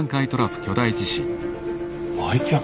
売却？